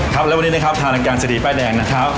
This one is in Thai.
ครับและวันนี้นะครับทางรายการเศรษฐีป้ายแดงนะครับ